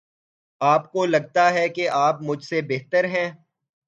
آپ کو لگتا ہے کہ آپ مجھ سے بہتر ہیں۔